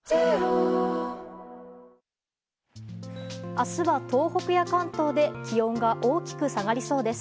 明日は、東北や関東で気温が大きく下がりそうです。